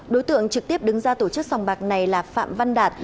đối tượng trực tiếp đứng ra tổ chức sòng bạc này là phạm văn đạt